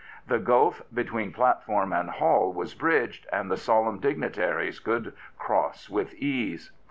The gulf between platform and hall was bridged, and the solemn dignitaries could cross with ease.